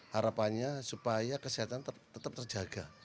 harapannya supaya kesehatan tetap terjaga